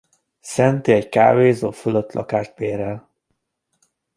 Sandy egy kávézó fölött lakást bérel.